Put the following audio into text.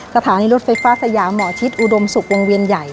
สถานีรถไฟฟ้าสยามหมอชิดอุดมศุกร์วงเวียนใหญ่